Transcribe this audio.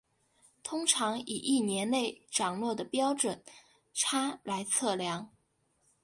通常以一年内涨落的标准差来测量。